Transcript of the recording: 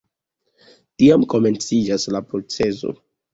Tiam komenciĝas la proceso.